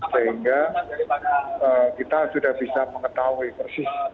sehingga kita sudah bisa mengetahui persis